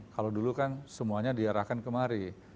kalau dulu kan semuanya diarahkan kemari